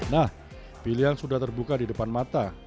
nah pilihan sudah terbuka di depan mata